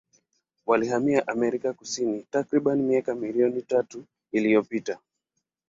Walihamia Amerika Kusini takribani miaka milioni tatu iliyopita.